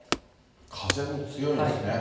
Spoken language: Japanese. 風も強いんですね。